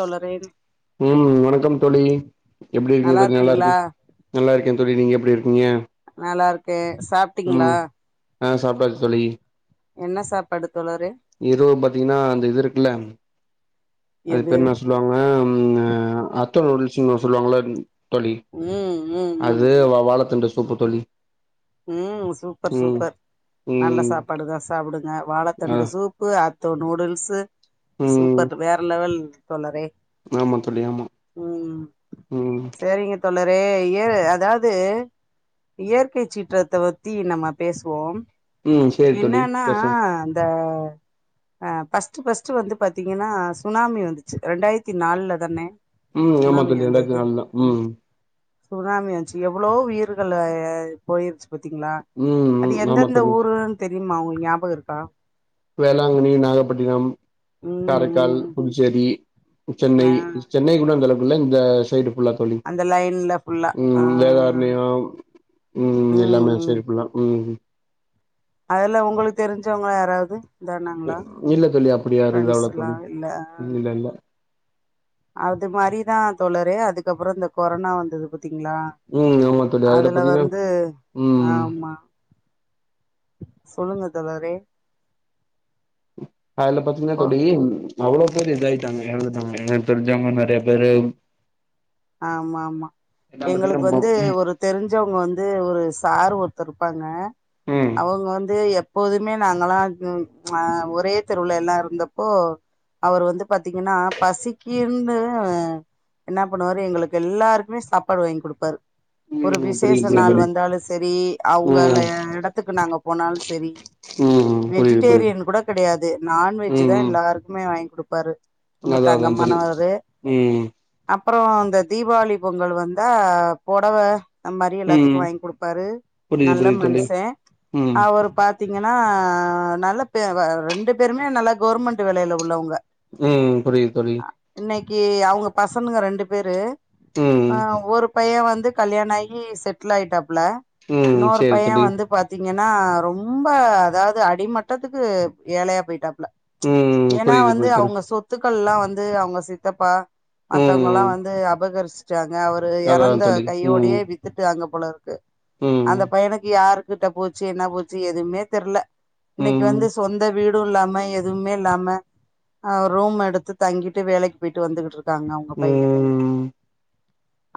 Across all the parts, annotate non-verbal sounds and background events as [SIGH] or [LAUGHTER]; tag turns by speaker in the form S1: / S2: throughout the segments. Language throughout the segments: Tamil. S1: தோழரே
S2: ம் ம் வணக்கம் தோழி எப்டி இருக்கீங்க தோழி நல்லா இருக்கே நல்லா இருக்கே தோழி நீங்க எப்டி இருக் ஏ
S1: நல்லா இருக்கே சாப்ட்டீங்களா
S2: ஆ சாப்ட்டாச்சி தோழி
S1: என்ன சாப்பாடு தோழரே
S2: இரவு பாத்தீங்கன்னா அந்த இது இருக்குல அது
S1: எது
S2: பேரு இன்னா சொல்லுவாங்க ம் அத் த்தோ நூடுல்ஸ் சொல்லுவாங்கல்ல தோழி
S1: ம் ம் ம்
S2: அது வ வாழ தண்டு சூ சூப்பு தோழி
S1: ம் சூப்பர்
S2: ம்
S1: சூப்பர் நல்ல
S2: ம்
S1: சாப்பாடுதா சாப்பிடுங் ன்ன
S2: ஆ
S1: வாழதண்டு சூப்பு அ த்தோ நூடுல்ஸ்சு சூப்பர் வேற லெவல் தோழரே
S2: நாமாங் தோழி ஆமா ம்
S1: வே இயற் அதாவது இயற்கை சீட் சீற்றத்த பத்தி நம்ம பேசுவோ
S2: ம் சேரி தோழி
S1: என்னன்னா
S2: பேசலா
S1: அந்த அ பஸ்ட் பஸ்ட் வந்து பாத்தீங்கன்னா சுனாமி வந்துச்சு ரெண்டாயிரத்தி நாலுல தானே
S2: ம் ஆமா
S1: சுனாமி
S2: தோழி இரண்டாயரத்தி
S1: வந்தது
S2: நாலுதா ம்
S1: சுனாமி வன்ச்சி எவ்வளோ உயிர்கள் போயிர்ச்சி பத்தீங்களா அது
S2: ம் ஆமா
S1: எந்தெந்த
S2: தோழி
S1: ஊருன்னு தெ தெரியுமா உங்ளுக் ஞாபக இருக்கா
S2: வேளாங்கண்ணி நாகப்பட்டினம்
S1: ம்
S2: காரைக்கால்
S1: ம்
S2: புதுச்சேரி சென்னை
S1: ஆ
S2: சென்னை கூட அந்தலவுக் இல்ல இந்த சைடு புல்லா தோழி
S1: அந்த லைன்ல ஃபுல்லா ஆ
S2: ம் வேதாரணையு ம் எல்லாமே சேரி ஃபுல்லா ம்
S1: அதெல்லா உங்களுக்கு தெரிஞ்சவங்க யாராவது இதானாங்களா
S2: இல்ல தோழி அப்பிடி யாரு இத ஆவலா
S1: ஃப்ரெண்ட்ஸ்லா
S2: தோழி
S1: இல்ல
S2: இல்ல இல்ல
S1: அது மாரிதா தோழரே அதுக்கப்புறோ இந்த கொரோனா வந்தது பத் டிங்ளா
S2: ம் ஆமா தோழி
S1: அதுல
S2: பாத்தீங்கன்னா
S1: வந்து ஆ
S2: ம்
S1: ஆமா சொல்லுங்க தோழரே
S2: அதுல பாத்தீங்கன்னா
S1: ஓ,
S2: தோழி அவ்ளோ பேர் இதாயிட்டாங்க எறந்துட்டாங்க என தெரிஞ்சவங்க நெறையா பேரு
S1: ஆமா ஆமா
S2: எல்லா
S1: எங்களுக்கு
S2: பாத்தீங்கன்னா
S1: வந்து ஒரு தெரிஞ்சவங்க வந் து ஒரு சாரு ஒருத்தர் இருப்பாங்க
S2: ம்
S1: அவுங்க வந்து எப் போதுமே நாங்களா ஒரே தெருவுல எல்லாம் இருந்தப்போ அவரு வந்து பாத்தீங்கன்னா பசிக்குன்னு என்ன என்ன பண்ணுவாரு எங்களுக்கு எல்லாருக்குமே சாப்பாடு வாங்கி குடுப்பாரு ஒரு
S2: ம்
S1: விசேஷ
S2: புரியுது புரியுது
S1: நாள்
S2: தோழி
S1: வந்தாலும் செரி அவுங்கல
S2: ம்
S1: எடத்துக்கு நாங்க போனால் செரி
S2: ம் புரியுது புரியுது
S1: வெஜிடேரியன் கூட கெடையாது நான்வெஜ்ஜி
S2: ம்
S1: தான்
S2: ம்
S1: எல்லாருக்குமே வாங் குடுப்பாரு ரொம்ப
S2: அதா அதான் புரியிது ம்
S1: அப்பறம் இந்த தீபாவளி பொங்கல் வந்தா பொடவ அம்மாரி
S2: ம்
S1: எல்லாத்துக்கும் வாங்கி குடுப்பாரு
S2: புரியுது
S1: நல்ல
S2: புரியுது தோழி
S1: மனுஷன்
S2: ம்
S1: அவரு பாத்தி இங்கன்னா நல்ல பே வ ரெண்டு பேருமே நல்லா கவுர்மெண்ட் வேலைல உள்ளவங்க
S2: ம் புரியிது தோழி
S1: க அவுங்க பச ங்கனுங்க ரெண்டு பேரு
S2: ம்
S1: ஆ ஒரு பையன் வந் து கல்யாண ஆயி செட்லாயிட்டாப் பில
S2: ம்
S1: இன்னொரு
S2: சேரி
S1: பையன்
S2: தோழி
S1: வந்து பாத்தீ ங்கினா ரொம்ப அதாவது அடிமட்டத்துக்கு ஏழையா போயிட்டா ப்ல
S2: ம்
S1: ஏன்னா
S2: புரியுது
S1: வந்து
S2: புரியுது தோழி
S1: அவுங்க சொத்துக் கள்லாம் வந்து அவங்க சித்தப்பா
S2: ம்
S1: மத்தவங்கல்லாம் வந்து அபகரிச் ச்சாங்க அவரு
S2: அதா
S1: எறந்த
S2: தோழி ம்
S1: கையோடையே வித்துட்டு அங்க போலரு க்கு
S2: ம்
S1: அந்த பையனுக்கு யாருக் கிட்ட போச்சு என்ன போச்சு எதுவுமே தெரில இன்னைக்கு
S2: ம்
S1: வந்து சொந்த வீடு ம் இல்லாம எதுவுமே இல்லாம ஆ ரூம் எடுத்து தங்கிட்டு வேலைக்கு போயிட்டு வந்துகிட்டுருக்கு தாங்க அவுங்க பைய
S2: ம்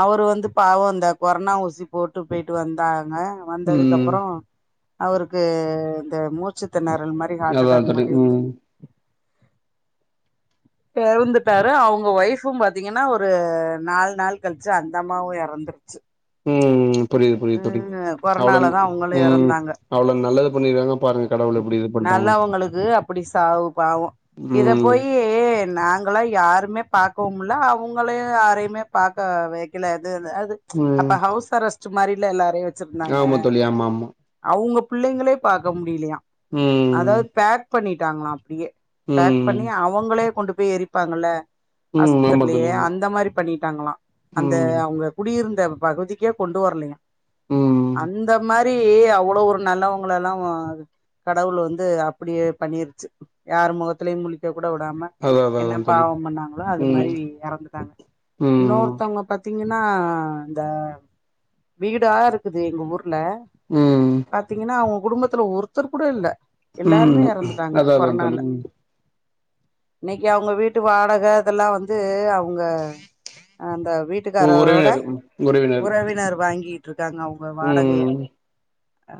S1: அவரு வந்து பாவோ இந்த கொரானா ஊசி போட்டு போயிட்டு வந்தா நெ வந்ததுக்கு
S2: ம்
S1: அப்றோ அவருக்கு இந்த மூச்சு திணற அது மாரி ஹாட்
S2: அதா
S1: அட்டாக்
S2: தோழி
S1: மாரி வந்து
S2: ம்
S1: எறந்துட்டாரு அவுங்க ஒய்ஃபும் பாத்தீங்கனா ஒரு நாலு நாள் கழிச்சு அந்த அம்மாவு இறந்துருச்சு
S2: ம்ம்ம் புரியுது புரியுது தோழி அவ்ளோ
S1: கொரோனாலதா அவங்களு
S2: உம்
S1: எறந்தாங்க
S2: அவ்ளவு நல்லவர் முள்ளி வேகம் [UNINTELLIGIBLE]
S1: நல்லவங்களுக்கு அப்டி சாவு பாவோ இத
S2: ம்
S1: போயி நாங் ளம் யாருமே பாக்கவும்ல்ல அவங்கள யாரையுமே பாக்க வைக்கல அ அது
S2: ம்
S1: அப்ப ஹவுஸ் அரெஸ்ட் சுமாரிலல்ல எல்லாரையு வச்சிருந்தாங்க
S2: ஆமா தோழி ஆமா ஆமா
S1: அவுங்க பிள்ளைங்களே பாக்க முடியலையா
S2: ம்
S1: அதாவது பேக் பண்ணிட்டாங்களா அப்டியே பேக்
S2: ம்
S1: பண்ணி அவுங்களே கொண்டு போ போய் எரிப்பாங்கல்ல
S2: ம் ஆமா தோழி
S1: ஆஸ்பத்திரிலயே
S2: ஆமா
S1: அந்த மாரி பண்ணிட்டாங்களா அந்த
S2: ம்
S1: அவுங்க குடியிருந் பகுதிக்கே கொண்டு வரலிங்க
S2: ம்
S1: அந்த மாரி மாரி அவ்வளவு ஒரு நல்லவங்கள எல்லா கடவுள் வந்து அப்புடியே பண்ணிருச்சு யார் முகத்துலயு முளிக்க கூட விடாம
S2: அதா அதா
S1: என்ன
S2: அதா தோழி
S1: பாவம் பண்ணாங்களோ அது
S2: ம்
S1: மாரி எறந்துட்டாங்க
S2: ம்
S1: இன்னொருத்தவங்க பாத்தீங்கனா ன்ன இந்த வீடா இருக்குது எங்க ஊரு
S2: ம்
S1: பாத்தீங்கன்னா அவுங்க குடும்பத்ல்ல ஒரு ஒருத்தர் கூட இல்ல எல்லாருமே
S2: ம் அதா அதா அதா நீங்
S1: இன்னிக்கு அவங்க வீட்டு வாடக அதெல்லா வந்து அவ் உங்க அந்த வீட்க்காரரோட
S2: உறவினர் ம்
S1: உறவினர் வாங்கி க்காங்க அவங்க வாடகைய
S2: ம்
S1: ஆ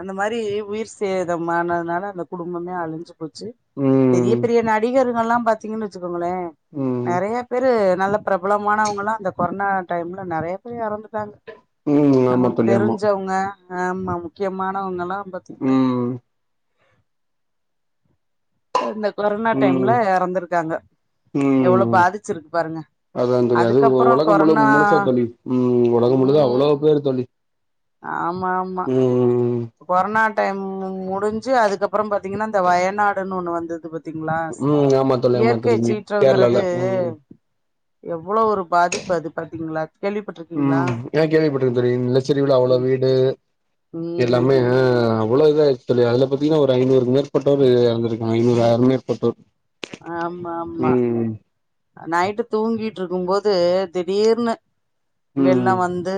S1: அந்த மாரி உயிர் சேதமானதுனால அந்த குடும்பமே அழுஞ்சு போச்சு பெரிய
S2: ம்
S1: பெரிய நடிகர் கெல்லா பாத்தீங்கன்னா வெச்சுக் கோங்களே
S2: ம்
S1: நறையா பேரு நல்லப் பிரபலமானவங்களா அந்த கொரனா டைம்ல நறையா பேர் எறந்து போயிட்டாங்க
S2: ம் ஆமா
S1: நமளுக்கு
S2: தோழி ஆமா
S1: தெருஞ்சவங்க ஆமா முக்கியமானவங்க லா பாத்துகிட்டு
S2: ம்
S1: இந்த கொரனா டைம்ல
S2: ம்
S1: எறந்துருக்காங்க எவ்ளோ
S2: ம்
S1: பாதுச்சுருக்கு பாருங்க
S2: அதா தோழி அது
S1: அதுக்கப்புறோ
S2: உலகம் முழு
S1: கொரனா
S2: முழுசா தோழி ம் உலகம் முழுது அவ்ளோ
S1: ம்
S2: பேர் தோழி
S1: ஆமா ஆமா
S2: ம்
S1: கொரனாக் டைம் முடுஞ்சு அதுக்கப்புறோ பாத்தீங்கன்னா இந்த வயநாடுன் ஒண்ணு வந்துது பாத் தீங்கிளா
S2: ம் ஆமா தோழி ஆமா
S1: இயற்கை
S2: தோழி
S1: சீற்றங்குறது
S2: கேரளால ம்
S1: எவ்ளோ ஒரு பாதிப்பு அது பாத்தீங்களா கேள்விப்பட்டிருக்கீங்களா
S2: ம் ஏ கேவிப்பட்ருக்க தோழி நிலச்சரிவுல அவ்ளோ
S1: ம்
S2: வீடு எல்லாம்
S1: ம்
S2: [UNINTELLIGIBLE] அவ்ளோ இது ஆயிருச்சு தோழி அதுல பாத்தீங்கன்னா ஒரு ஐநூறுக்கு மேற்பட்டோரு எறந்துருக்காங்க ஐநூறு ஆயிரோ மேற்பட்டோர்
S1: ஆமா ஆமா
S2: ம்
S1: நைட்டு தூங்கிட்ருக்கும் போது து திடீர்னு வெள்ளோ
S2: ம்
S1: வந்து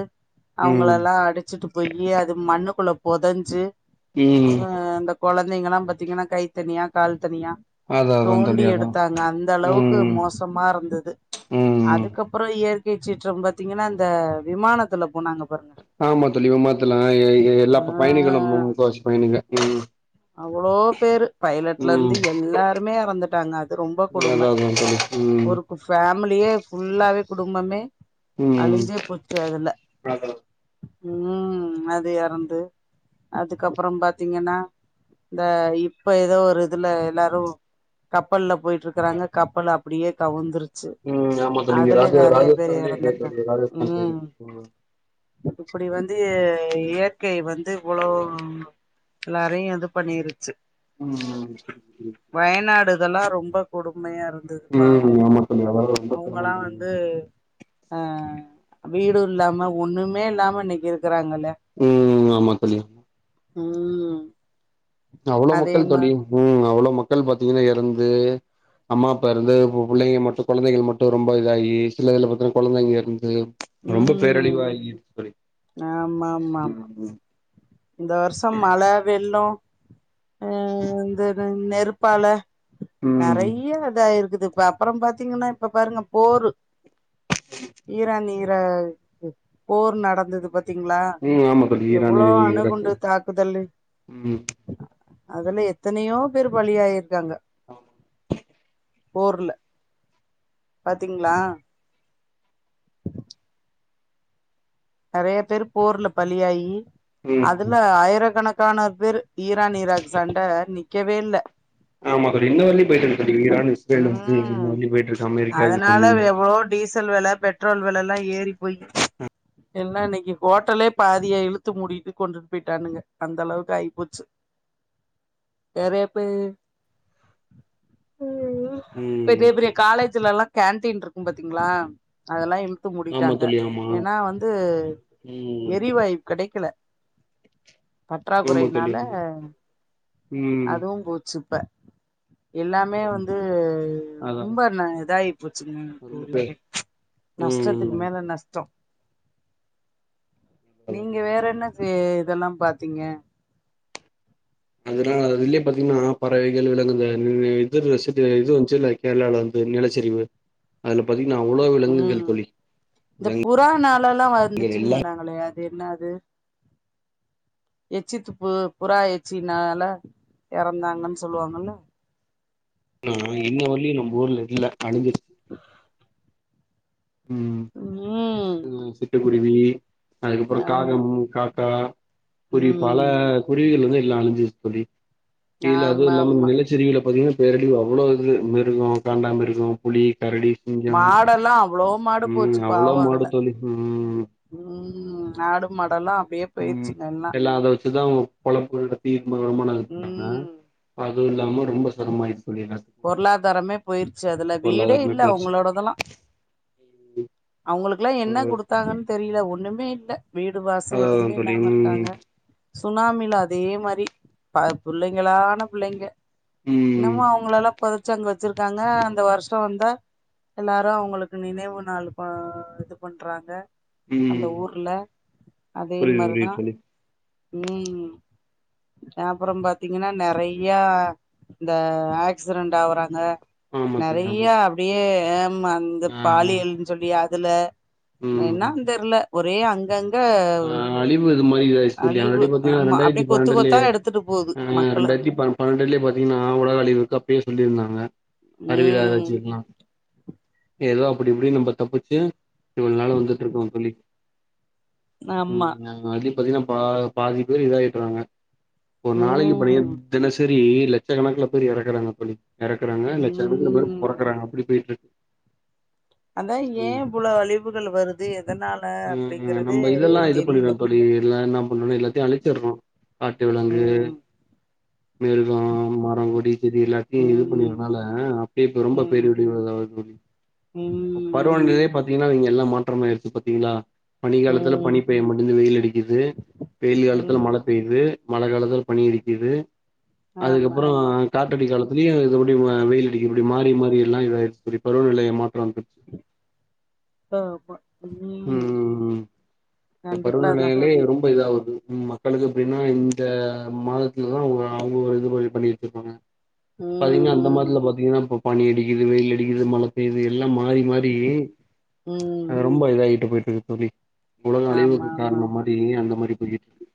S2: ம்
S1: அவங்கள எல்லா அடுச்சுட்டு போயி அது மண்ணுக்குள்ள பொதஞ்சு
S2: ம்
S1: அதா அந்த கொழந் கொழந்தைங்கல்லா பாத்தீங்கன்னா கை தனியா கால் தனியா
S2: அதா அதா தோழி
S1: தோண்டி
S2: அதா
S1: எடுத்தாங்க அந்த அளவுக்கு
S2: ம்
S1: மோசமா இருந்தது
S2: ம்
S1: அதுக்கப்புறம் ஏ சீறறம் பாத்தீங்கன்னா இந்த விமானத்துல போனாங்க பாருங்க
S2: ஆமா தோழி மாத்தலா ஏ
S1: ஆ
S2: எல்லா பயணிகளும் மு முக்கவாசி பயணிக
S1: அவ்ளோ பேரு பைலட்ல இருந்து எல்லாருமே இறந்துட்டாங்க அது ரொம்ப கொடுமை
S2: அதா அதா தோழி ம்
S1: ஒருக்கு பேமிலியே ஃபுல்லா பாதி குடும்பமே
S2: ம்
S1: அழிஞ்சே போச்சு அதுல
S2: அதா
S1: ம் அது இறந்து அதுக்கப்ற பாத்தீங்கன்னா இந்த இப்ப ஏதோ ஒரு இதுல எல்லாரு கப்பல்ல போயிட்டு இருக்கறாங்க கப்பல் அப்புடியே கவுந்துருச்
S2: ம் ஆமா தோழி நீங்க ராஜ ராஜஸ்தான்லயே இங்க
S1: எறந்திருக்காங்க
S2: சொல்லிங்க ராஜஸ்தான் போயி ம்
S1: இப்டி வந்து இயற்கை வந்து இவ்ளோ லாக் இதயு வந்து பண்ணிருச்சு
S2: ம் சரி சரி சரி
S1: வயநாடு இதெல்லா ரொம்ப கொடும்
S2: ம் ஆமா தோழி அதாலா ரொம்ப சிரமம் தோழி
S1: அ வீடும் இல்லாம ஒண்ணுமே இல்லாம இன்னைக்கு இருக்கிறாங்கல்ல
S2: ம் ஆமா தோழி
S1: ம்
S2: அவ்ளோ
S1: அதே
S2: மக்கள்
S1: மா
S2: தோழி ம் அவ்ளோ மக்கள் பாத்தீங்கன்னா எறந்து அம்மா அப்பா இருந்து புள்ளைங்க மட்டும் கொழந்தைகள் மட்டு ரொம்ப இதாயி சில இதுல பாத்தீங்கன்னா கொழந்தைங்க இருந்து ரொம்ப பேர்
S1: ம்
S2: அழிவா ஆகிருச்சு தோழி
S1: ஆமா மா மா இந்த வருஷம் மழ வெள்ளோம் போம் ம் இந்த நெருப்பால
S2: ம்
S1: நெறைய இதாயிருக்கு அப்புற பாத்தீங்கன்னா இப்ப பாருங்க போரு ஈரான் ஈராக் போர் நடக் தது பத் பத்தீங்களா
S2: ம் ஆமா தோழி ஈரானு
S1: எவ்ளோ அணுகுண்டு
S2: ஈராக்கு
S1: தாக்குதலு
S2: ம்
S1: அதுல எத்தனையோ பேர் பலியாயிருக்காங்க
S2: ஆஹ
S1: போர்ல பாத்தீங்ளா நெறைய பேரு போர்ல பழியாயி
S2: ம்
S1: அதுல ஆயிரக்கணக் காண பேரு ஈரான் ஈராக் சண்ட நீ க்கவே இல்ல
S2: ஆமா தோழி இன்ன வரலயு போயிட்டு இருக்கு தோழி ஈரான் இஸ்ரேல் வந்து இன்ன
S1: உம்
S2: வரலயு போயிட்டு இருக்கு அமெரிக்கா இது
S1: அதனால
S2: பண்ணி
S1: எவ்ளோ டீசல் வெல பெட்ரோல் வெல எல்லா ஏறி போய் ஏன்னா இன்னைக்கு ஹோட்டலே பாதியா இழுத்து முடிட்டு கொண்டுட்டு போயிட்டானுங்க அந்த அளவுக்கு ஆகிப்போச்சு நெறய பேரு பெரிய
S2: ம்
S1: பெரிய காலேஜ்லல்லா கேண்டீன் இருக்கு பாத்தீங்களா அதெல்லா இழுத்து
S2: ஆமா
S1: மூடிட்டாங்க
S2: தோழி ஆமா
S1: ஏன்னா வந்து இது
S2: ம்
S1: எரிவாயு கெடைக்கல
S2: ஆமா தோழி
S1: பற்றாக்குறைனால
S2: ஆமா ம்
S1: அதுவும் போச்சு சப்ப எல்லாமே வந்து
S2: அதா
S1: ரொம்ப இதாயி
S2: ரொம்ப பே
S1: போச்சுங்கப்ப நஷ்டத்துக்கு
S2: ம்
S1: மேல நஷ்டோ
S2: அதா
S1: நீங்க
S2: தோழி
S1: வேற என்ன ரி இதெல்லா பாத்தீங்க
S2: அதனால அதுலயே பாத்தீங்கனா பறவை விளங்குத எர் ரசித்து இது வந்துச்சு இ கேரளாவ்ல வந்து நிலச்சரிவு அதுல பாத்தீங்கன்னா அவ்ளோ
S1: உம்
S2: விலங்குகள் தோழி
S1: இந்த புற நாள எல்லா
S2: விலங்குகள்
S1: வந்துச்சுன்னு
S2: எல்லாம்னா
S1: சொன்னாங்களே என்ன அது எச்சி துப்பு புறா எச்சினால இறந்தாங்கன்னு சொல்லுவாங்கல்ல
S2: ஆ இன்ன வரயு நம்ம ஊர்ல இல்ல அழுஞ்சது உம்
S1: ம்
S2: உ ச குருவி அதுக்கப்றோ
S1: ஆமா
S2: காகம் காக் ஆ குரு பல
S1: ம்
S2: குருவிகள் வந்து எல்லா அழுஞ்சுருச்சு தோழி இல்ல அதுவு
S1: ஆமா
S2: இல்லாம
S1: ஆமா
S2: நிலச்சரிவுல பாத்தீங்கனா பேரடி அவ்ளோ இது மிருகோ காண்டா மிருகோ புலி கரடி சிங்கோ
S1: மாடெல்லா அவ்ளோ மாடு
S2: உம்
S1: போச்சு
S2: அவ்ளோ
S1: பாவோ
S2: மாடு
S1: அதுல
S2: தோழி உம்
S1: ம் ஆடு மாடெல்லா அப்டியே
S2: ம்
S1: போயிருச்சுங்க
S2: எல்லா அத வெச்சுதா அவங்க பொழப்பு‌நடத்தி வருமானோ இது பண்றாங்க
S1: ம்
S2: அது இல்லாம ரொம்போ சிரமாயிருச்
S1: பொருளாதாரமே போயிருச்சு அதுல வீடே
S2: பொருளாதாரமே
S1: இல்ல அங்களோடதெல்லா
S2: ம்
S1: அவங்களுக்கெல்லா என்ன குடுத்தாங்கன் தெரில ஒன் ஒண்ணுமே இல்ல வீடு வாசோ
S2: அதா
S1: எதுமே
S2: தோழி
S1: இல்லாம
S2: ம்
S1: இருக்காங்க சுனாமில அதே மாரி ப புள்ளைங்களான புள்ளைங்க
S2: ம்,
S1: என்னமா அவங்கள எல்லா பொதச்சு அங்க வெச்சுருக்காங்க இந்த வருஷோ வந்தா எல்லாரு அவங்களுக்கு நினைவு நாளு ப இது பண்றாங்க அந்த
S2: ம்
S1: ஊர்ல அதே
S2: புரிது புரிது
S1: மாரிதா
S2: தோழி
S1: ம் அப்புறோ பாத்தீங்கன்னா நறையா இந்த ஏக்ட் ஏக்ஸிடெண்ட் ஆவுறாங்க
S2: ஆமா தோழி, ஆமா.
S1: நறையா அப்டியே ஏம் ம்மா அந்த
S2: ஆ, ம்,
S1: பாலியல்ன் சொல்லி அ இதுல
S2: ம்.
S1: என்னான் தெர்ல ஒரே அங்கங்
S2: ஆ அழிவு இது மாரி சொல்லி
S1: அழிவு
S2: [UNINTELLIGIBLE] பாத்தீங்கன்னா
S1: ஆமா
S2: ரெண்டாயிரத்தி
S1: அப்டியே கொத்து கொத்தா
S2: பன்னெண்டுலயே
S1: எடுத்துட்டு போகுது
S2: அ
S1: மக்கள
S2: ரெண்டாயிரத்தி பன் பன்னெண்டுலயே பாத்தீங்கன்னா உலக அழிவு இருக்கப் அப்பவே சொல்லியிருந்தாங்க அறிவியல்
S1: ம்
S2: ஆராய்ச்சி எல்லா எதோ அப்டி இப்டி நம்ப தப்புச்சு இவ்ளோ நாளா வந்துட்டு இருக்கோ தோழி
S1: ஆமா
S2: ம் அது பாத்தீங்கன்னா பா பாதி பேரு இதாயிடுறாங்க ஒரு நாளைக்கு நறையா
S1: ம்
S2: தினசரி ரி லட்சக்கணக்கல பேர் எறக்குறாங்க தோழி எறக்குறாங்க லட்சம் பேர்
S1: ம்
S2: பறக்குறாங்க அப்டி போயிட்ருக்கு
S1: அதா ஏ
S2: ம்.
S1: ஃபுல்லா அழிவுகள் வருது எதனால
S2: ம்
S1: அப்டிங்குறது
S2: நம்ம இதெல்லா இது பண்ணிடற தோழி எல்லா நம்ப [UNINTELLIGIBLE] எல்லாத்தியு அழிச்சிரு காட்டு விலங்கு
S1: ம்
S2: மேழுகா மரங்கொடி திரி இல்லாட்டி [UNINTELLIGIBLE]
S1: ம்
S2: என்னால அப்பிடி இப்ப ரொம்ப
S1: ம்
S2: ரொம்ப பேர் [UNINTELLIGIBLE]
S1: ம்
S2: பருவீங்டேலே பத்திங்கன்னா எல்லா மா உட்டரமாிடிச்சி பாத்தீங்களா பனி காலத்துல பனி
S1: ம்
S2: பெய் முடிச்சி வெயில் அடிக்குது வெயில் காலத்தில
S1: ம்
S2: மழை பெய்யுது மழ காலத்தில்ல பணியடிக்குது
S1: ஆமா
S2: அதுக்கப்புறோ [UNINTELLIGIBLE] அப்பிடி மா வெயில் அடிக்கி இப்பிடி மாரி மாரி எல்லா இவ இப்பிடி பருவநிலை மாற்றம் ரந்திச்சி ம் ம் ம் இப்பருவ
S1: கண்டிப்பாதா
S2: நிலையிலே ரொம்ப புரிலாவது ம் மக்களுக்கு இப்பின்னா இந்த மாதத்துலதா அவுங்க அவுங்க ஒரு இது மாரி பண்ணிட்டுருப்பாங்க பாத்தீங்கன்னா அந்த
S1: ம்
S2: மாதத்துல பாத்திங்கன்னா இப் பனி அடிக்குது வெயில் அடிக்குது மழை பெயுது எல்லா மாறி மாறி
S1: ம் ம்
S2: அத ரொம்ப இதா ஆயிட்டு போயிட் ர் தோழி உலக
S1: ஆமா
S2: அழிவுக்கு
S1: ஆமா ஆமா
S2: காரணமாரி அந்த மாரி போயிட்டு இருக்கு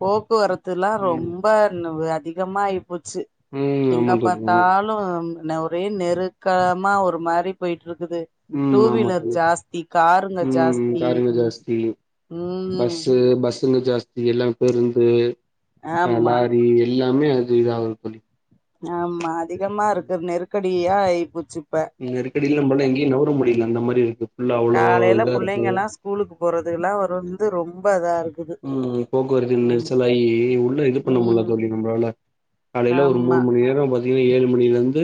S1: போக்குவரத்துல்லா
S2: ம்
S1: ரொம்ப ந அதிகமா ஆயிப்போச்சி
S2: ம்
S1: எங்க
S2: ஆமா தோழி ஆமா
S1: பாத்தாலு ந ஒரே நெரு க்கலமா ஒரு மாரி போயிட் இட்ருக்குது
S2: ம் ஆமா
S1: டூவீலர்
S2: தோழி
S1: ஜாஸ்தி காருங்க
S2: ம்
S1: ஜாஸ்தி
S2: காருங்க ஜாஸ்தி
S1: ம்
S2: ஸ்ங்க ஜாஸ்தி எல்லா பேருந்து ஆ
S1: ஆமா
S2: லாரி இல்லாமே அது இதாவு தோழி
S1: ஆமா அ திகமா இருக்கு நெருக்கடி ப்பிடியா ஆய் போச்சி
S2: நெருக்கடியில நம்மல எங்கியு நவுர முடியலா அந்த மாரி இருக்கு ஃபுல்லா அவ்ளோ
S1: காலையில
S2: இதா இருக்கு
S1: பிள்ளைங்க எல்லாம் ஸ்கூலுக்கு போறதுகுகலாம் வரும் வந்து ரொம்ப இதா இருக்
S2: ம் போக்குவரத்து நெரிசலாகி உள்ள இது பண்ண முடியல
S1: ம்
S2: தோழி நம்பளால காலையில ஒரு
S1: ஆமா
S2: மூணு மணி நேரம் ஏழு மணில இருந்து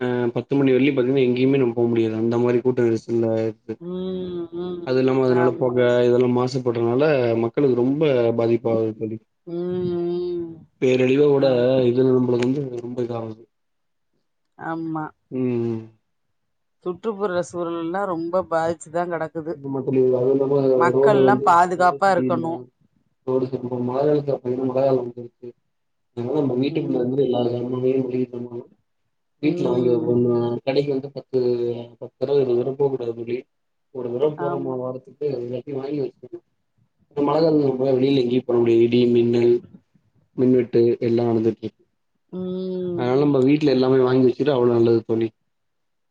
S2: ஆ பத்து மணி வரையிலும் பாத்தீங்கன்னா எங்கேமே நம்ம போக முடியாது அந்த மாதிரி கூட்டம் ஆயிச் சு
S1: ம் ம்
S2: அது இல்லாம அதனால
S1: ஆமா
S2: போக இதெல்லாம் மாச போடுறனால மக்களுக்கு ரொம் ப பாதிப்பாகுது தோழி
S1: ம் ம்
S2: பேரழிவு விட
S1: ஆமா
S2: இதுல நம்மளுக்கு வந்து ரொம்ப இதாவுது
S1: ஆமா
S2: ம்ம்
S1: சுற்றுப்புற சூழல் எல்லாம் ரொம்ப பாதிச்சு
S2: இது மட்டும் இல்ல அது ரோடு
S1: மக்கள்லா
S2: வந்து ரோடு
S1: பாதுகாப்பா
S2: சரியில்ல
S1: இருக்கணு
S2: ரோடு சரி மலையாளம் சேப்பீங்கன்னா மலையாளம் இருக்கு எங்களோட வீட்டுக்குள்ள
S1: ம்
S2: வந்து விளயாடனும் நல்லாவே கேக்குது ப்ரோ வீட்டுல வாங்கி
S1: ம்
S2: வைப்போமா கடைக்கு வந்து பத்து அ பத்துதடவை இருந்து தரும் போக கூடாது முடி ஒரு தடவ போறமா
S1: ஆமா
S2: வார்த்துக்கு வாங்கி வச்சுடேன் மழை வெளியில எங்கயும் போவலேயே இடி மின்னல் மின்வெட்டு எல்லாம் நடந்துட்டு இருக்கு
S1: ம்
S2: அதனால நம்ம வீட்டுல எல்லாமே வாங்கி வச்சுட்டா அவ்வளோ நல்லது தோழி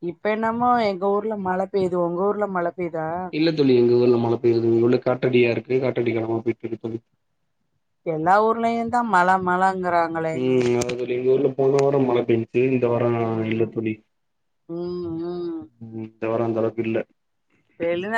S1: இப்ப என்னமோ எங்க ஊர்ல மழை பெய்யுது உங்க ஊர்ல மழை பெய்யுதா
S2: இல்ல தோழி எங்க ஊர்ல மழை பெய்யுரது இல்ல உள்ள காட்டடியா இருக்கு காட்டடி காலமா போயிட்டு இருக்கு தோழி
S1: எல்லா ஊர்லயும் தான் மழ மழ
S2: ம் அதான் தோழி எங்க ஊர்ல போன வாரம் மழை பெஞ்சுச்சு இந்த வாரம்
S1: ம்
S2: இல்ல தோழி
S1: ம் ம்
S2: ம் இந்த வாரம் அந்தளவுக்கு இல்ல
S1: வெளுவ